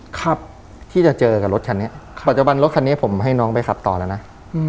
ครับที่จะเจอกับรถคันนี้ครับปัจจุบันรถคันนี้ผมให้น้องไปขับต่อแล้วนะอืม